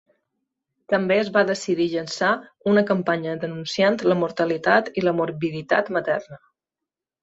També es va decidir llançar una campanya denunciant la mortalitat i la morbiditat materna.